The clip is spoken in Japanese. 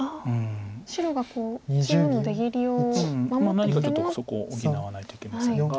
何かちょっとそこを補わないといけませんが。